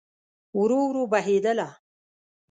ورو، ورو بهیدله